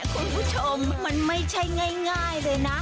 คุณผู้ชมมันไม่ใช่ง่ายเลยนะ